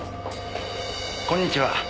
こんにちは。